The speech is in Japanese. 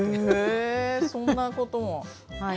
へえそんなことも！